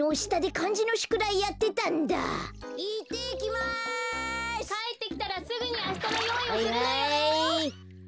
・かえってきたらすぐにあしたのよういをするのよ！